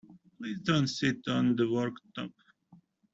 Please don't sit on the worktop!